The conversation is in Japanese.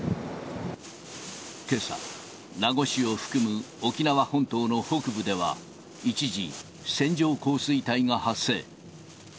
けさ、名護市を含む沖縄本島の北部では、一時、線状降水帯が発生。